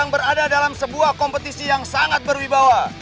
berada dalam sebuah kompetisi yang sangat berwibawa